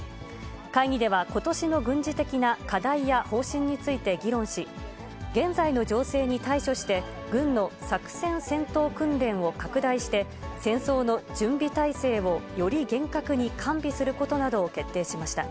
会議では、ことしの軍事的な課題や方針について議論し、現在の情勢に対処して、軍の作戦戦闘訓練を拡大して、戦争の準備態勢をより厳格に完備することなどを決定しました。